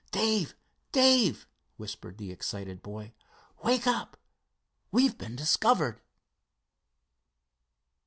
"Dave! Dave!" whispered the excited boy "wake up! We've been discovered!"